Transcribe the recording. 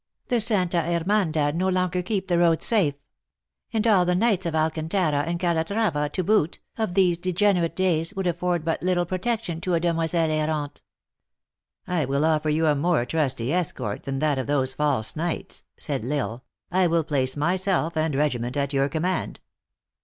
The Santa Ifermandad no longer keep the roads safe ; and all the knights of Alcantara and Calatrava to IN HIGH LIFE. boot, of these degenerate days, would afford but little protection to a demoiselle ewante." "I will offer you a more trusty escort than that of those false knights," said L Isle. " I will place my self and regiment at your command."